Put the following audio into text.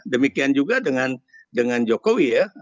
demikian juga dengan jokowi ya